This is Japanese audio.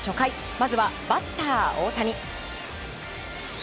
まずは、バッター大谷。